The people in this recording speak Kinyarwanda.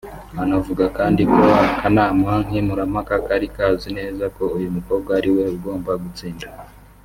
Anavuga kandi ko akanama nkemurampaka kari kazi neza ko uyu mukobwa ari we ugomba gutsinda